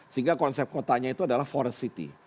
sehingga konsep kotanya itu adalah forest city